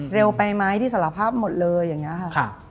เร็วไปไหมที่สารภาพหมดเลยอย่างนี้ค่ะ